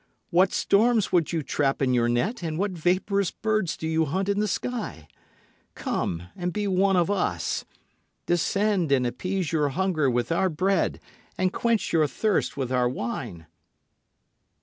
What storms would you trap in your net, And what vaporous birds do you hunt in the sky? Come and be one of us. Descend and appease your hunger with our bread and quench your thirst with our wine."